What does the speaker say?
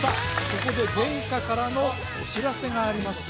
ここで殿下からのお知らせがあります